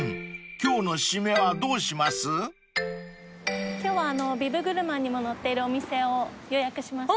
今日はビブグルマンにも載っているお店を予約しましたので。